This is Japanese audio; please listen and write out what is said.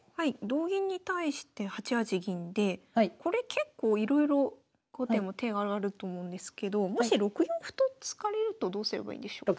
同銀に対して８八銀でこれ結構いろいろ後手も手があると思うんですけどもし６四歩と突かれるとどうすればいいんでしょう？